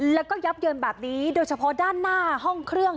แล้วก็ยับเยินแบบนี้โดยเฉพาะด้านหน้าห้องเครื่อง